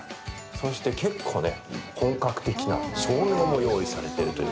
そして結構ね、本格的な照明も用意されているという。